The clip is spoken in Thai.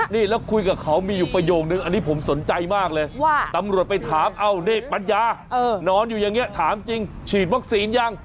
นี่แล้วคุยกับเขามีอยู่ประโยคนึงอันนี้ผมสนใจมากเลยตำรวจไปถามเอานี่ปัญญานอนอยู่อย่างนี้ถามจริงฉีดวัคซีนยัง